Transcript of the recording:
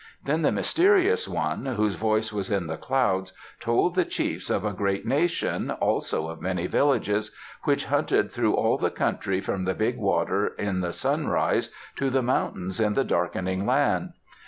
Then the Mysterious One, whose voice is in the clouds, told the chiefs of a great nation, also of many villages, which hunted through all the country from the Big Water in the sunrise to the mountains in the Darkening Land.